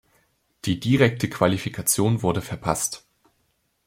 Die direkte Qualifikation wurde verpasst.